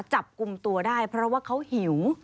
จับกลุ่มตัวได้เพราะว่าเขาหิว